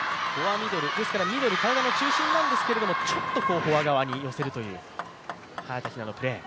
ミドル、体の中心なんですけれども、ちょっとフォア側に寄せるという早田のプレー。